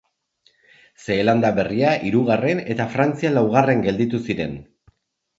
Zeelanda Berria hirugarren eta Frantzia laugarren gelditu ziren.